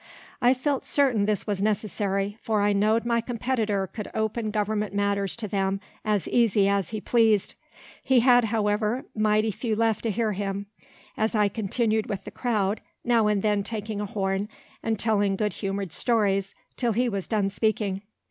I felt certain this was necessary, for I knowed my competitor could open government matters to them as easy as he pleased. He had, however, mighty few left to hear him, as I continued with the crowd, now and then taking a horn, and telling good humoured stories, till he was done speaking.